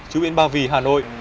chú viện ba vì hà nội